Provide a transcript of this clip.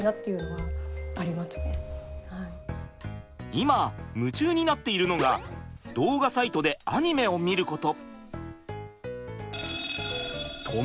今夢中になっているのが動画サイトでアニメを見ること。